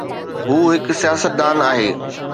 هو هڪ سياستدان آهي